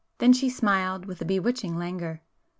Then she smiled, with a bewitching languor.